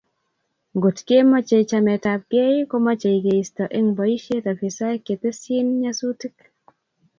Ngotkemoche chametabgei komochei keisto eng boisiet afisaek che testyin nyasutik